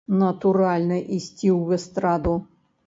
Натуральна ісці ў эстраду.